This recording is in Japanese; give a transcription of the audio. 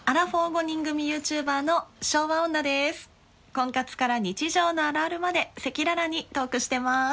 婚活から日常のあるあるまで赤裸々にトークしてます。